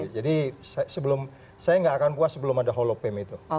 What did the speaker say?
jadi saya nggak akan puas sebelum ada holopem itu